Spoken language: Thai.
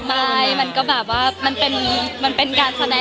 ไม่มันก็แบบว่ามันเป็นการแสดง